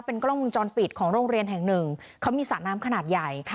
กล้องวงจรปิดของโรงเรียนแห่งหนึ่งเขามีสระน้ำขนาดใหญ่